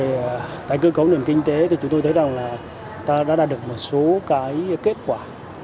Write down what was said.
về tái cơ cấu nền kinh tế thì chúng tôi thấy rằng là ta đã đạt được một số cái kết quả